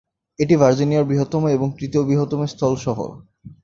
এটা ভার্জিনিয়ার বৃহত্তম এবং তৃতীয় বৃহত্তম স্থল শহর।